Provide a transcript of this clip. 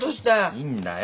いいんだよ。